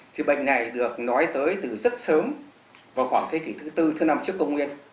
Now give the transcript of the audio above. thì bệnh này được nói tới từ rất sớm vào khoảng thế kỷ thứ tư thứ năm trước công nguyên